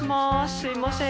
すいません。